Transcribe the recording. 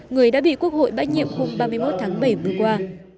người đã bị quốc hội bãi nhiệm hôm ba mươi một tháng bảy vừa qua